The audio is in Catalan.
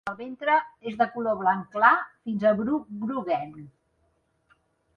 El ventre és de color blanc clar fins a bru groguenc.